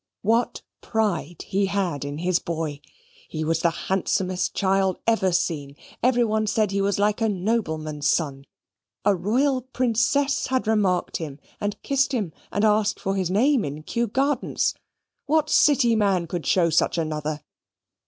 What pride he had in his boy! He was the handsomest child ever seen. Everybody said he was like a nobleman's son. A royal princess had remarked him, and kissed him, and asked his name in Kew Gardens. What City man could show such another?